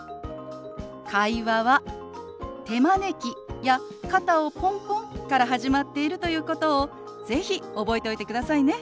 会話は手招きや肩をポンポンから始まっているということを是非覚えておいてくださいね。